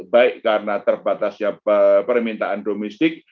baik karena terbatasnya permintaan domestik